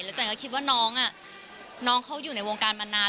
จันก็คิดว่าน้องน้องเขาอยู่ในวงการมานาน